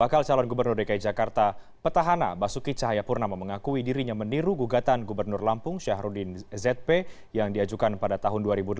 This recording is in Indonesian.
bakal calon gubernur dki jakarta petahana basuki cahayapurnama mengakui dirinya meniru gugatan gubernur lampung syahrudin zp yang diajukan pada tahun dua ribu delapan belas